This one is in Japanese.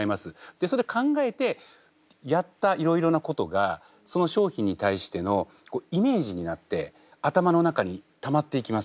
でそうやって考えてやったいろいろなことがその商品に対してのイメージになって頭の中にたまっていきます。